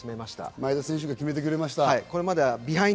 前田選手が決めてくれました。